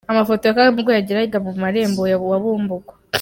Amafoto ya Kagame ubwo yageraga mu Murenge wa Bumbogo.